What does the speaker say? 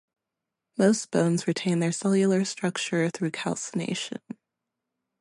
Most bones retain their cellular structure through calcination.